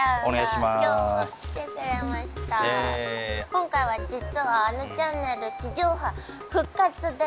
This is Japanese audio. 今回は実は『あのちゃんねる』地上波復活です。